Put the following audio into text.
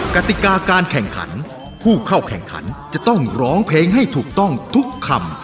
กติกาการแข่งขันผู้เข้าแข่งขันจะต้องร้องเพลงให้ถูกต้องทุกคำ